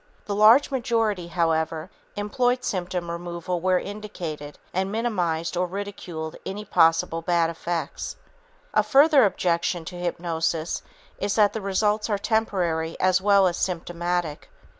The large majority, however, "employed symptom removal where indicated, and minimized or ridiculed any possible bad effects." A further objection to hypnosis is that the results are temporary as well as symptomatic.